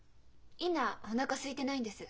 今おなかすいてないんです。